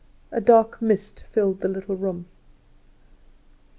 A dark mist filled the little room.